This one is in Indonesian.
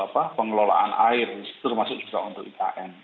pengelolaan air termasuk juga untuk ikn